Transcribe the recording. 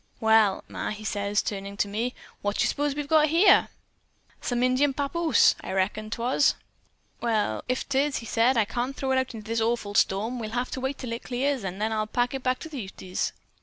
"'Well, Ma,' he says, turning to me, 'what d' s'pose we've got here?' "'Some Indian papoose,' I reckoned 'twas. "'Well, if 'tis,' said he, 'I can't throw it out into this awful storm. We'll have to keep it till it clears, an' then I'll pack it back to the Utes.'